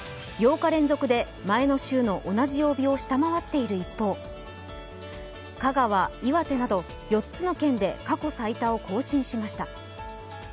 ８日連続で前の週の同じ曜日を下回っている一方、香川、岩手など４つの県で過去最多を更新しました。